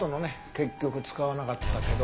結局使わなかったけど。